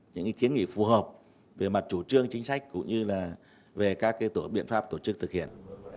những kiến nghị phù hợp về mặt chủ trương chính sách cũng như là về các biện pháp tổ chức thực hiện